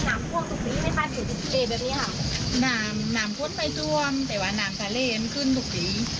ไม่ปรับเกือบแบบนี้ค่ะน่ะน่ะน่ะน้ำพูดไปทั่วมแต่ว่าน้ำกะเลมขึ้นทุกปี